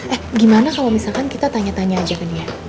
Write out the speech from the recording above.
eh gimana kalau misalkan kita tanya tanya aja ke dia